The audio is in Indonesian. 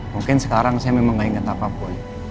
mungkin sekarang saya memang gak inget apa apa